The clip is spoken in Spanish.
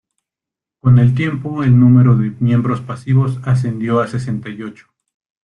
Con el tiempo el número de miembros pasivos ascendió a sesenta y ocho.